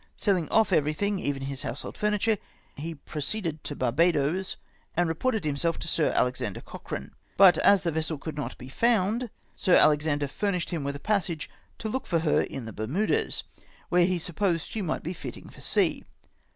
Selling off everything, even to his household furniture, he proceeded to Barbadoes, and reported himself to Sir Alexander Cochrane ; but, as the vessel could not be found. Sir Alexander fimiished him with a passage to look for her at the Bermudas, where he supposed she might be fitting for sea.